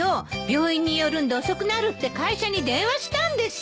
病院に寄るんで遅くなるって会社に電話したんですって。